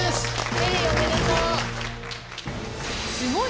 ペリーおめでとう。